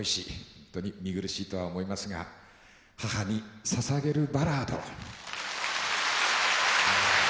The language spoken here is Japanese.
本当に見苦しいとは思いますが「母に捧げるバラード」。